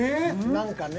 何かね。